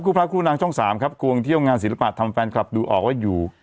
พระครูนางช่อง๓ครับควงเที่ยวงานศิลปะทำแฟนคลับดูออกว่าอยู่